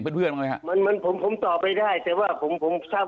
ผมก็คุยกับท่านคุยกับท่านสมศักดิ์